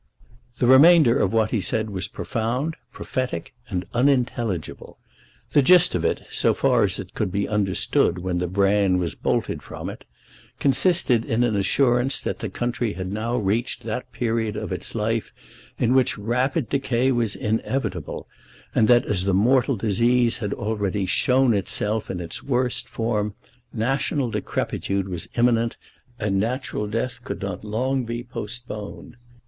The remainder of what he said was profound, prophetic, and unintelligible. The gist of it, so far as it could be understood when the bran was bolted from it, consisted in an assurance that the country had now reached that period of its life in which rapid decay was inevitable, and that, as the mortal disease had already shown itself in its worst form, national decrepitude was imminent, and natural death could not long be postponed.